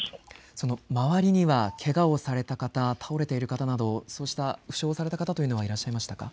その周りにはけがをされた方倒れていた方など負傷されていた方というのはいらっしゃいましたか。